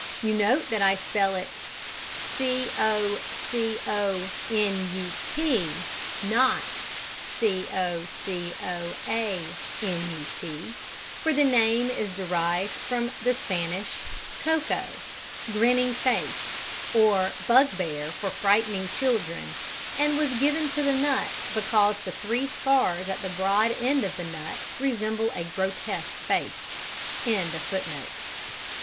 (You note that I spell it "coconut," not "cocoanut," for the name is derived from the Spanish "coco," "grinning face," or bugbear for frightening children, and was given to the nut because the three scars at the broad end of the nut resemble a grotesque face).